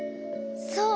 そう？